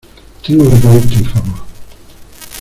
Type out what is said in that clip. tengo que pedirte un favor.